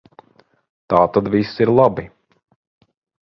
Tātad viss ir labi.